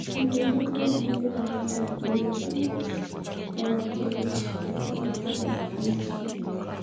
Vilabu kumi na moja vya London vilituma wawakilishi katika mkutano wa Freemasons